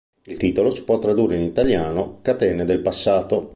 Il titolo si può tradurre in italiano "Catene del passato".